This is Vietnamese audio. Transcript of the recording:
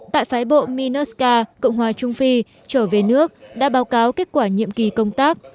tại phái bộ minusca cộng hòa trung phi trở về nước đã báo cáo kết quả nhiệm kỳ công tác